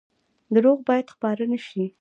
دروغ باید خپاره نشي